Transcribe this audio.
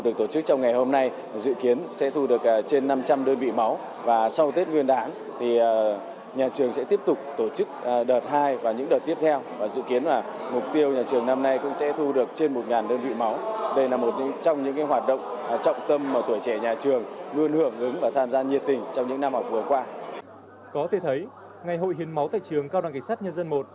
có thể thấy ngày hồi hiên máu tại trường cao đẳng cảnh sát nhân dân một